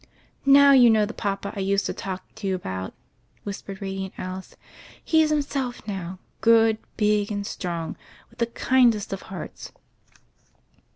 "Now you know the papa I used to talk to you about," whispered radiant Alice. "He's himself now; good, big, and strong, with the kindest of hearts."